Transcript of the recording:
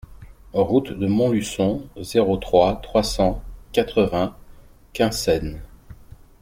Route de Montluçon, zéro trois, trois cent quatre-vingts Quinssaines